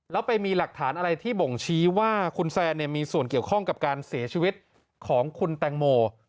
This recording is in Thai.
แล้วไปมีหลักฐานอะไรที่บ่งชี้ว่าคุณแซนมีส่วนเกี่ยวข้องกับการเสียชีวิตของคุณแตงโม